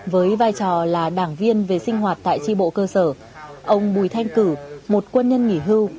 với vai trò là đảng viên về sinh hoạt tại tri bộ cơ sở ông bùi thanh cử một quân nhân nghỉ hưu